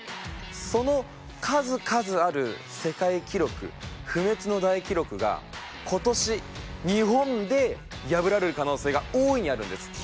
その数々ある世界記録不滅の大記録が今年日本で破られる可能性が大いにあるんです。